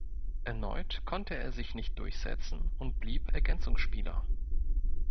Erneut konnte er sich nicht durchsetzen und blieb Ergänzungsspieler.